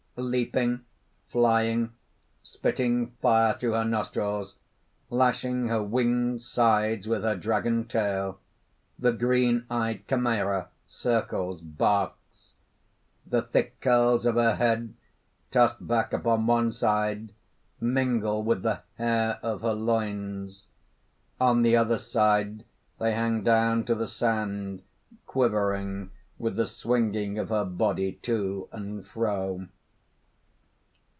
_ _Leaping, flying, spitting fire through her nostrils, lashing her winged sides with her dragon tail, the green eyed Chimera circles, barks._ _The thick curls of her head tossed back upon one side mingle with the hair of her loins; on the other side they hang down to the sand, quivering with the swinging of her body, to and fro.